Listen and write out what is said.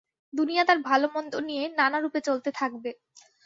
দুনিয়া তার ভাল মন্দ নিয়ে নানা রূপে চলতে থাকবে।